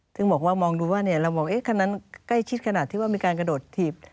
ซึ่งบอกว่ามองดูว่าเรามองคันนั้นใกล้ชิดขนาดที่ว่ามีการกระโดดถีบ